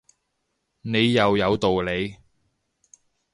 你又有道理